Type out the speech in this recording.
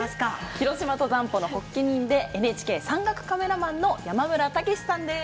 「ひろしま登山歩」の発起人でＮＨＫ山岳カメラマンの山村武史さんです。